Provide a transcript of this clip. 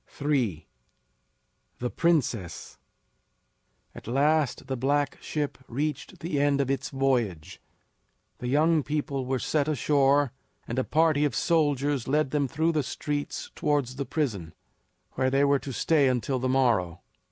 III. THE PRINCESS. At last the black ship reached the end of its voyage. The young people were set ashore, and a party of soldiers led them through the streets towards the prison, where they were to stay until the morrow.